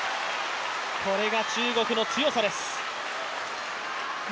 これが中国の強さです。